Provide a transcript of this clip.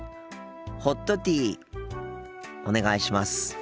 ホットティーお願いします。